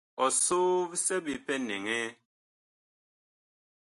Ɔsoo vi seɓe pɛ nɛŋɛɛ.